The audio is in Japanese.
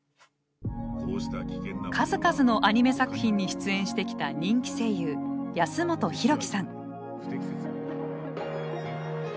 数々のアニメ作品に出演してきた人気声優安元洋貴さん。